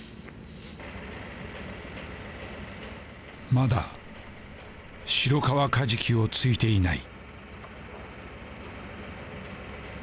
まだシロカワカジキを突いていない。